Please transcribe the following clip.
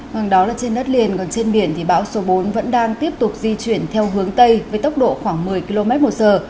hàng đó là trên đất liền còn trên biển thì bão số bốn vẫn đang tiếp tục di chuyển theo hướng tây với tốc độ khoảng một mươi km một giờ